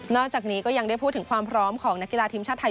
จากนี้ก็ยังได้พูดถึงความพร้อมของนักกีฬาทีมชาติไทย